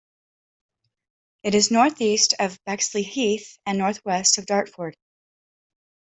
It is northeast of Bexleyheath and northwest of Dartford.